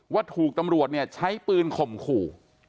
ว่าถูกตำรวจเนี่ยใช้ปืนข่มขู่